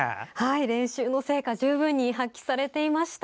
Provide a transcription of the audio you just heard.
練習の成果が十分に発揮されていました。